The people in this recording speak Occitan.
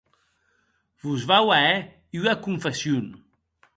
Vos vau a hèr ua confession.